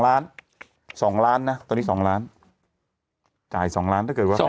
ล้านสองล้านนะตอนนี้๒ล้านจ่าย๒ล้านถ้าเกิดว่า